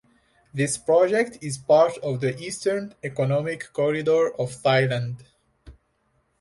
This project is part of the Eastern Economic Corridor of Thailand.